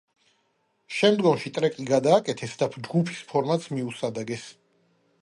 შემდგომში ტრეკი გადააკეთეს და ჯგუფის ფორმატს მიუსადაგეს.